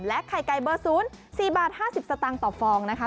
และไข่ไก่เบอร์ศูนย์๔๕๐บาทต่อฟองนะคะ